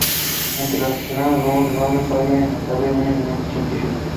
Entre el personal figuró Robert Falla, más tarde un eminente científico.